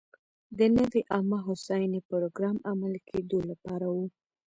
د نوې عامه هوساینې پروګرام عملي کېدو لپاره و.